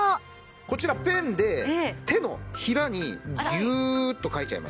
こちらペンで手のひらにギューッと書いちゃいます。